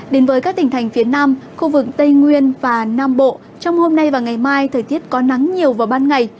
đến với các tỉnh thành phía nam khu vực tây nguyên và nam bộ trong hôm nay và ngày mai thời tiết có nắng nhiều vào ban ngày